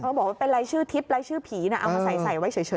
เขาบอกว่าเป็นรายชื่อทิพย์รายชื่อผีนะเอามาใส่ไว้เฉย